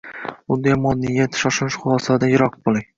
Bunda yomon niyat, shoshilinch xulosalardan yiroq bo‘ling.